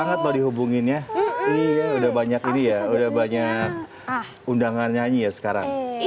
sa terakan berpindah karena susah ya